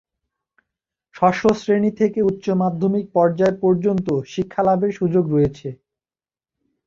ষষ্ঠ শ্রেণী থেকে উচ্চ মাধ্যমিক পর্যায় পর্যন্ত শিক্ষালাভের সুযোগ রয়েছে।